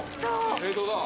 冷凍だ！